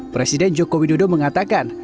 presiden joko widodo mengatakan